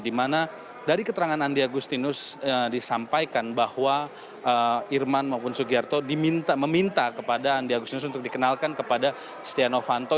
di mana dari keterangan andi agustinus disampaikan bahwa firman maupun subagyong meminta kepada andi agustinus untuk dikenalkan kepada setia novanto